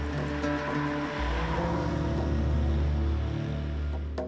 tahlilan itu biasa